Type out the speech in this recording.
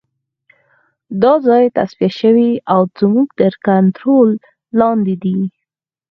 دا ځای تصفیه شوی او زموږ تر کنترول لاندې دی